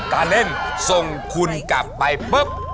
การเล่นส่งคุณกลับไปปุ๊บ